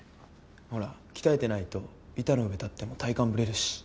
ほら鍛えてないと板の上立っても体幹ブレるし。